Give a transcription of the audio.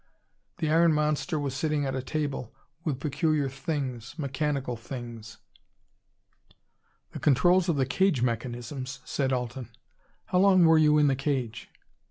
The iron monster was sitting at a table, with peculiar things mechanical things " "The controls of the cage mechanisms," said Alten. "How long were you in the cage?"